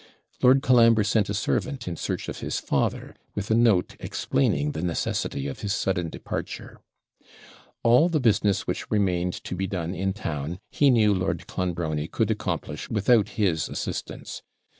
Lord Colambre sent a servant in search of his father, with a note explaining the necessity of his sudden departure. All the business which remained to be done in town he knew Lord Clonbrony could accomplish without his assistance.